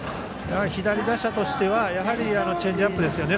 左打者としてはチェンジアップですよね。